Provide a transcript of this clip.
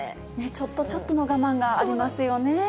ちょっとちょっとの我慢がありますよね。